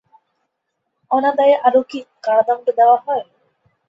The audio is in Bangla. অনাদায়ে আরও কি কারাদণ্ড দেওয়া হয়?